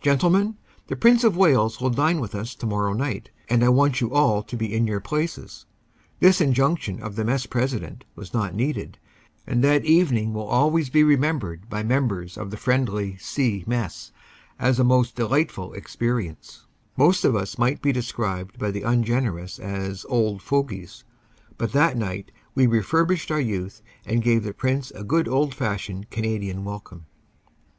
"Gentlemen, the Prince of Wales will dine with us tomorrow night, and I want you all to be in your places." The injunction of the mess president was not needed and that evening will always be remembered by members of friendly "C Mess as a most delightful experi ence most of us might be described by the ungenerous as "old fogies," but that night we refurbished our youth and gave the Prince a good old fashioned Canadian welcome.